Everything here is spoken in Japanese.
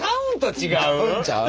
買うんちゃう？